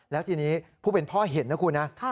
แล้วทีนี้ผู้เป็นพ่อเห็นนะคุณนะ